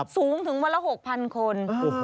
สูงถึงวันละ๖๐๐คน